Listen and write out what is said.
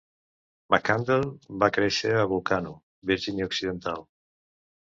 McCandless va créixer a Volcano, Virgínia Occidental.